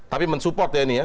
tapi mensupport ya ini ya